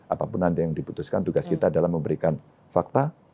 apapun nanti yang diputuskan tugas kita adalah memberikan fakta